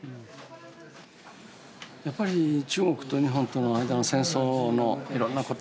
やっぱり中国と日本との間の戦争のいろんなこと